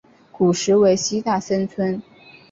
古时为西大森村。